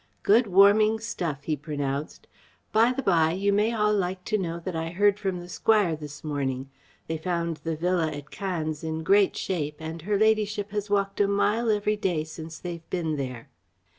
"Good warming stuff," he pronounced. "By the by, you may all like to know that I heard from the Squire this morning. They found the villa at Cannes in great shape, and her ladyship has walked a mile every day since they've been there."